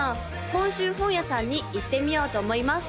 今週本屋さんに行ってみようと思います